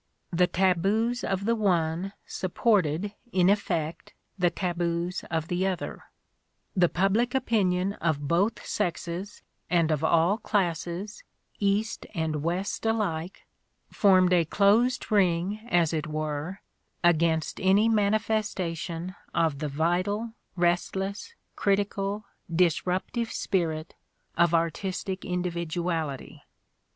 The taboos of the one supported, in effect, the taboos of the other: the public opinion of both sexes and of all classes, East and West alike, formed a closed ring as it were against any mani festation of the vital, restless, critical, disruptive spirit of artistic individuality.